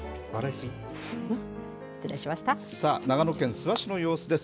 さあ長野県諏訪市の様子です。